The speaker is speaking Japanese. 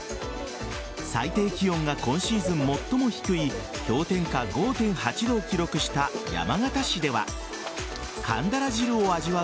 最低気温が今シーズン最も低い氷点下５．８度を記録した山形市では寒鱈汁を味わう